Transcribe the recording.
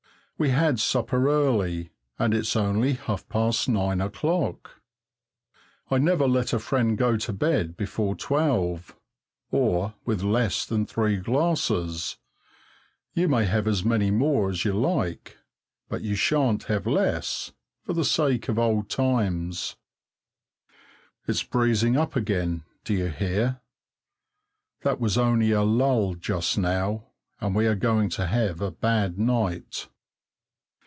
We had supper early, and it's only half past nine o'clock. I never let a friend go to bed before twelve, or with less than three glasses you may have as many more as you like, but you shan't have less, for the sake of old times. It's breezing up again, do you hear? That was only a lull just now, and we are going to have a bad night.